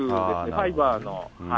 ファイバーの。